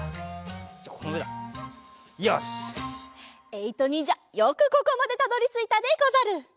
えいとにんじゃよくここまでたどりついたでござる。